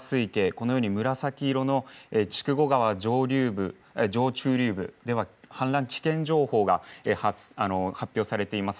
このように紫色の筑後川上中流部では氾濫危険情報が発表されています。